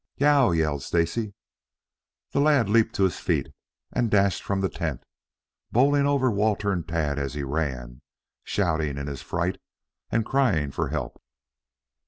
"Y e o w!" yelled Stacy. The lad leaped to his feet and dashed from the tent, bowling over Walter and Tad as he ran, shouting in his fright and crying for help.